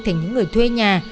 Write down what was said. thành những người thuê nhà